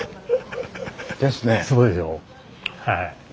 はい。